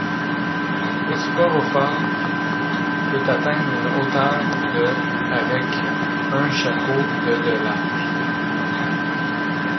Le sporophore peut atteindre une hauteur de avec un chapeau de de large.